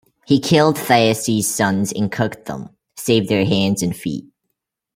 He killed Thyestes' sons and cooked them, save their hands and feet.